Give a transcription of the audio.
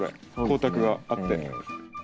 光沢があって。